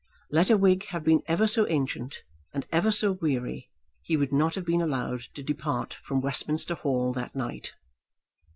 Let a Whig have been ever so ancient and ever so weary, he would not have been allowed to depart from Westminster Hall that night.